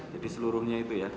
jadi seluruhnya itu ya